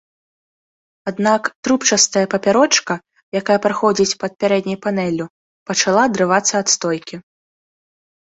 Аднак, трубчастая папярочка, якая праходзіць пад пярэдняй панэллю, пачала адрывацца ад стойкі.